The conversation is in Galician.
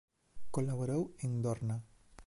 Colaborou en "Dorna".